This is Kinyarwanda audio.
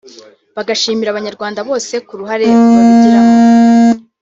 bagashimira Abanyarwanda bose ku ruhare babigiramo